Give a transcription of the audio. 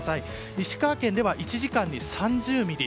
石川県では１時間に３０ミリ。